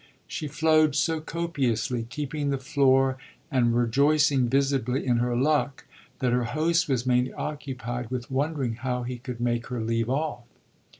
She flowed so copiously, keeping the floor and rejoicing visibly in her luck, that her host was mainly occupied with wondering how he could make her leave off.